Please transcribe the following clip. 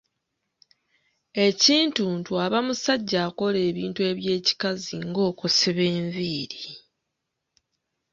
Ekintuntu aba musajja akola ebintu eby'ekikazi nga okusiba enviiri.